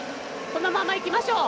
このままいきましょう。